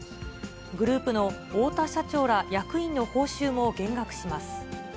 グループの太田社長ら役員の報酬も減額します。